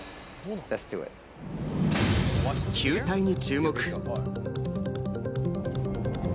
球体に注目。